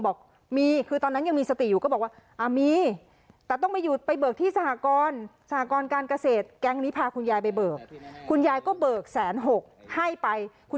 บอกมีคือตอนนั้นยังมีสติอยู่